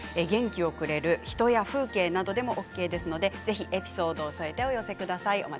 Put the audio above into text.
元気をくれる人や風景などでもＯＫですのでエピソードを添えてお寄せください。